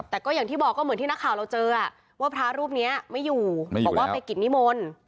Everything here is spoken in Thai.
แต่ก็อย่างที่บอกก็เหมือนที่นักข่าวเราเจอว่าพระรูปนี้ไม่อยู่บอกว่าไปกิจนิมนต์